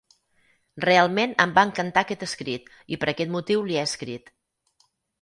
Realment em va encantar aquest escrit i per aquest motiu li he escrit.